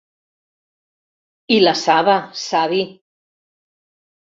I la saba, savi!